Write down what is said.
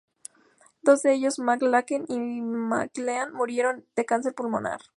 Dos de ellos, McLaren y McLean, murieron de cáncer pulmonar.